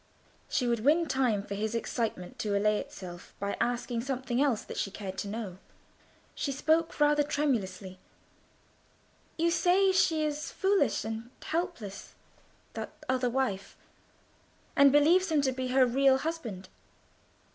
She would win time for his excitement to allay itself by asking something else that she cared to know. She spoke rather tremulously— "You say she is foolish and helpless—that other wife—and believes him to be her real husband.